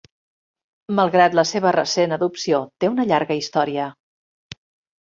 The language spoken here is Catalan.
Malgrat la seva recent adopció, té una llarga història.